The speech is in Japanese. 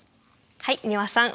はい美輪さん